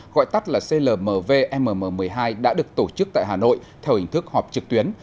gọi tắt là clmvmm một mươi hai đã được tổ chức tại hà nội theo hình thức họp trực tuyến